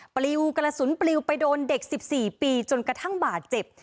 ปลิวกระสุนปลิวไปโดนเด็ก๑๔ปีจนกระทั่งบาดเจ็บ